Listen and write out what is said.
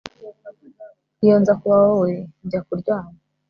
iyo nza kuba wowe, njya kuryama